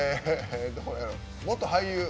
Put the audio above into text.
元俳優。